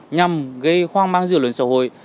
nhằm gây hoang mang dư luận xã hội